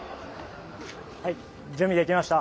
はい準備できました。